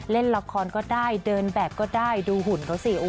เล่นละครก็ได้เดินแบบก็ได้ดูหุ่นเขาสิ